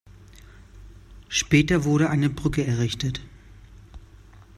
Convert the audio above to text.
Später wurde eine Brücke errichtet.